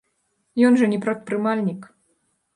Ён жа не прадпрымальнік.